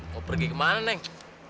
mau pergi kemana neng